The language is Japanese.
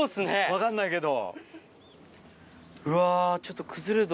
分かんないけど。